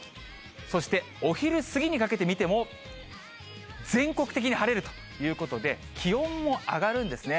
そしてお昼過ぎにかけて見ても、全国的に晴れるということで、気温も上がるんですね。